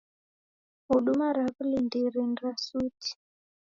Huduma ra w'ulindiri ni ra suti.